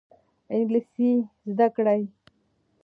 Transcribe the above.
انګلیسي زده کړئ.